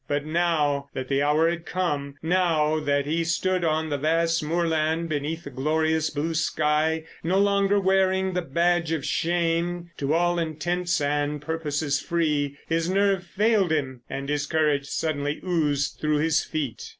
But now that the hour had come, now that he stood on the vast moorland beneath the glorious blue sky, no longer wearing the badge of shame, to all intents and purposes free, his nerve failed him and his courage suddenly oozed through his feet.